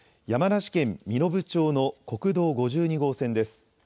山梨県身延町の国道５２号線です。